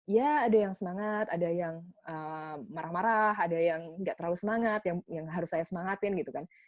ya ada yang semangat ada yang marah marah ada yang nggak terlalu semangat yang harus saya semangatin gitu kan